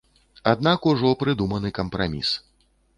Аднак ужо прыдуманы кампраміс.